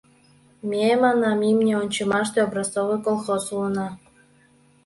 Ме, манам, имне ончымаште образцовый колхоз улына.